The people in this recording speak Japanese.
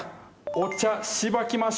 「お茶しばきましょ」